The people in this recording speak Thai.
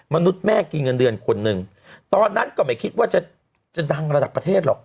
มนุษย์แม่กินเงินเดือนคนหนึ่งตอนนั้นก็ไม่คิดว่าจะจะดังระดับประเทศหรอก